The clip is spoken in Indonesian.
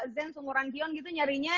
zen seumuran geon gitu nyarinya